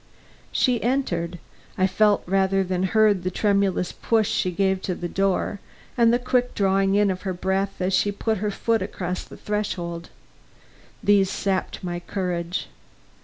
She entered; I felt rather than heard the tremulous push she gave to the door, and the quick drawing in of her breath as she put her foot across the threshold. These sapped my courage.